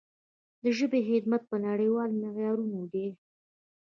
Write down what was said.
د ژبې خدمت په نړیوالو معیارونو دی.